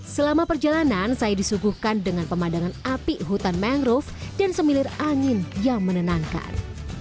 selama perjalanan saya disuguhkan dengan pemandangan api hutan mangrove dan semilir angin yang menenangkan